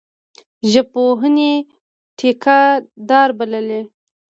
ژبپوهني ټیکه دار بللی.